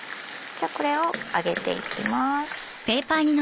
これを上げていきます。